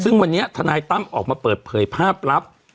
ซึ่งวันนี้ทนายตั้มออกมาเปิดเผยภาพลับ